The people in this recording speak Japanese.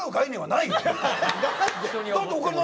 ない！